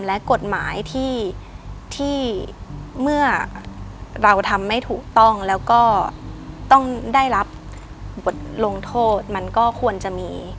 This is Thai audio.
และกฎหมายที่เมื่อเราทำไม่ถูกต้องแล้วก็ต้องได้รับบทลงโทษมันก็ควรจะมี